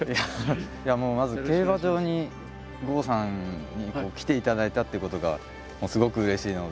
もうまず競馬場に郷さんに来ていただいたということがすごくうれしいので。